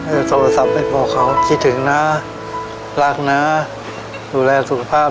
โทรศัพท์ไปบอกเขาคิดถึงนะรักนะดูแลสุขภาพ